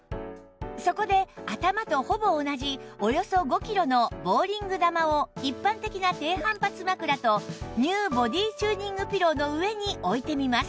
そこで頭とほぼ同じおよそ５キロのボウリング球を一般的な低反発枕と ＮＥＷ ボディチューニングピローの上に置いてみます